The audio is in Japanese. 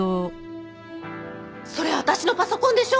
それ私のパソコンでしょ？